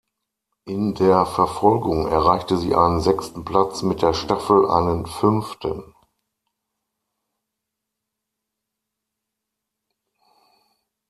In der Verfolgung erreichte sie einen sechsten Platz, mit der Staffel einen fünften.